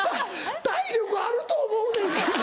体力あると思うねんけど。